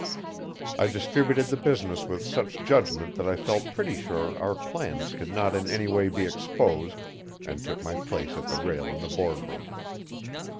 I distributed the business with such judgment that I felt pretty sure our plans could not in any way be exposed, and took my place at the rail in the Boardroom.